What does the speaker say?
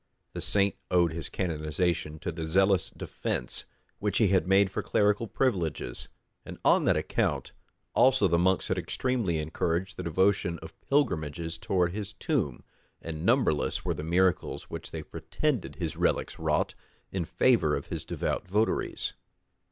This saint owed his canonization to the zealous defence which he had made for clerical privileges; and on that account also the monks had extremely encouraged the devotion of pilgrimages towards his tomb, and numberless were the miracles which they pretended his relics wrought in favor of his devout votaries.